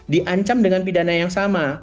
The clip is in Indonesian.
diancam dengan pidana yang sama